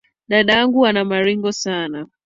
Dadangu ana maringo sana.